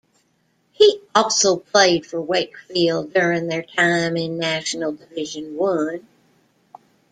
He also played for Wakefield during their time in National Division One.